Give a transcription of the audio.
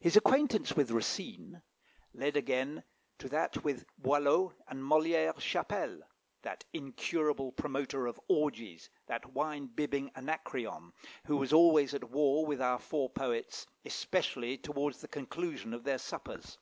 His acquaintance with Racine led again to that with Boileau and Molière Chapelle, that incurable promoter of orgies, that wine bibbing Anacreon, who was always at war with our four poets, especially towards the conclusion of their suppers.